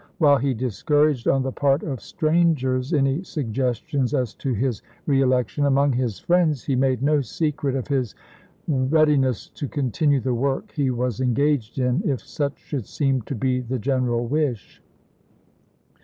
While he discouraged on the part of strangers any suggestions as to his reelection, among his friends he made no secret of his readi ness to continue the work he was engaged in, if such should seem to be the general wish.